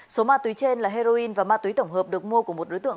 số ma túy trên là heroin và ma túy tổng hợp được mua của một đối tượng